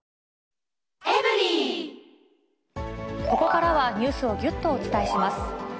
ここからはニュースをぎゅっとお伝えします。